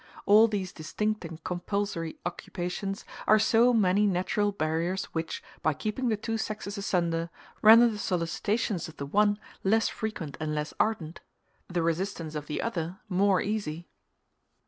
All these distinct and compulsory occupations are so many natural barriers, which, by keeping the two sexes asunder, render the solicitations of the one less frequent and less ardent the resistance of the other more easy.